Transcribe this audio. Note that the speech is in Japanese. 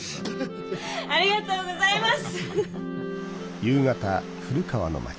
ありがとうございます！